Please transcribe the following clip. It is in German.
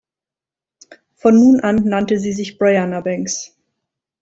Von nun an nannte sie sich "Briana Banks.